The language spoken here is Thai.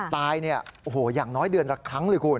ตายอย่างน้อยเดือนละครั้งเลยคุณ